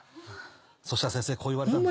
そしたら先生こう言われたんだ。